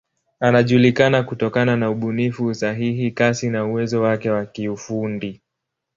Anajulikana kutokana na ubunifu, usahihi, kasi na uwezo wake wa kiufundi.